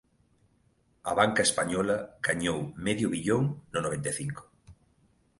A banca española gañou medio billón no noventa e cinco